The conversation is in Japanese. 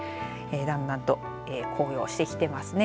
だんだんと紅葉してきてますね。